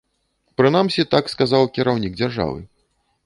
Прынамсі, так сказаў кіраўнік дзяржавы.